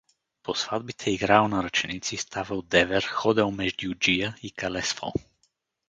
По сватбите играел на ръченици, ставал девер, ходел междюджия и калесвал.